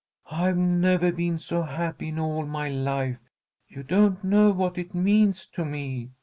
"I've never been so happy in all my life! You don't know what it means to me!"